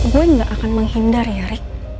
gue gak akan menghindar ya rik